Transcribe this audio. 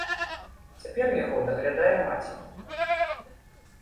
Цяпер яго даглядае маці.